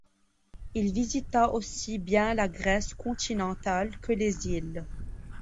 Il visita aussi bien la Grèce continentale que les îles.